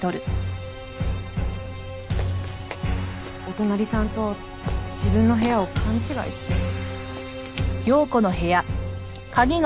お隣さんと自分の部屋を勘違いして。